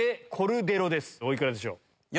お幾らでしょう？